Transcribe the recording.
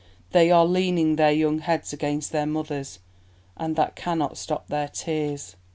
They are leaning their young heads against their mothers, And that cannot stop their tears.